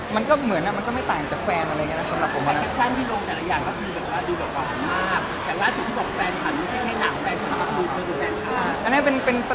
มันก็เหมือนอะมันก็ไม่ต่างจากแฟนอะไรเงี้ยสำหรับผมอะนะ